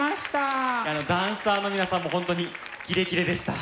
ダンサーの皆さんも本当にキレキレでした。